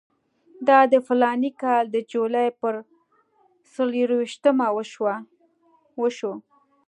دا د فلاني کال د جولای پر څلېرویشتمه وشو.